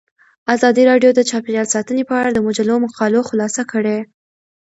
ازادي راډیو د چاپیریال ساتنه په اړه د مجلو مقالو خلاصه کړې.